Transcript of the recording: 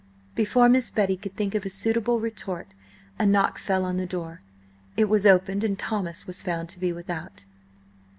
Before Miss Betty could think of a suitable retort, a knock fell on the door. It was opened, and Thomas was found to be without.